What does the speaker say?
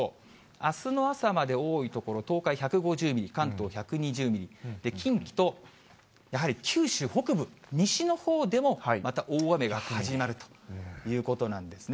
あすの朝まで多い所、東海１５０ミリ、関東１２０ミリ、近畿と、やはり九州北部、西のほうでもまた大雨が始まるということなんですね。